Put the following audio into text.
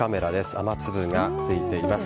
雨粒が付いています。